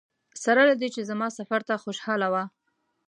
سره له دې چې زما سفر ته خوشاله وه.